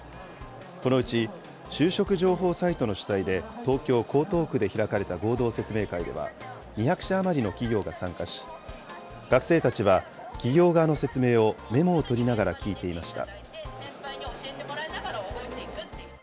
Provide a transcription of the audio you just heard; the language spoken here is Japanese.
このうち就職情報サイトの主催で、東京・江東区で開かれた合同説明会では、２００社余りの企業が参加し、学生たちは企業側の説明をメモを取りながら聞いていました。